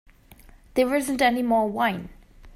There isn't any more wine.